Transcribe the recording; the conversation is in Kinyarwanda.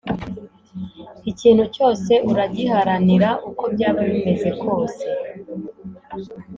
ikintu cyose uragiharanira uko byaba bimeze kose,